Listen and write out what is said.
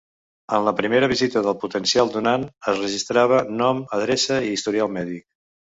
En la primera visita del potencial donant es registrava nom, adreça i historial mèdic.